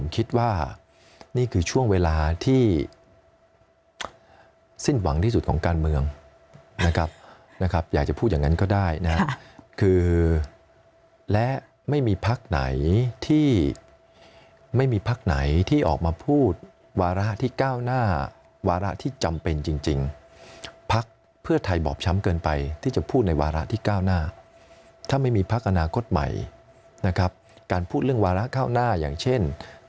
คิดว่านี่คือช่วงเวลาที่สิ้นหวังที่สุดของการเมืองนะครับนะครับอยากจะพูดอย่างนั้นก็ได้นะครับคือและไม่มีพักไหนที่ไม่มีพักไหนที่ออกมาพูดวาระที่ก้าวหน้าวาระที่จำเป็นจริงพักเพื่อไทยบอบช้ำเกินไปที่จะพูดในวาระที่ก้าวหน้าถ้าไม่มีพักอนาคตใหม่นะครับการพูดเรื่องวาระก้าวหน้าอย่างเช่น